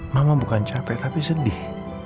mama bukan capek tapi sedih